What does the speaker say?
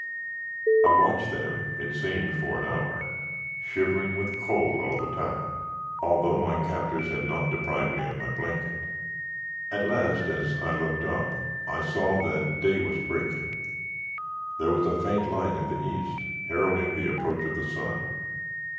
I watched them, it seemed for an hour, shivering with cold all the time, although my captors had not deprived me of my blanket. At last, as I looked up, I saw that day was breaking. There was a faint light in the east, heralding the approach of the sun.